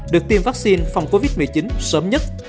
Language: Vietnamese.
được tiêm vaccine phòng covid một mươi chín sớm nhất